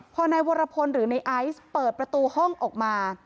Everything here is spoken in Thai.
พอนายวรพลหรือในไอซ์เปิดประตูห้องออกมา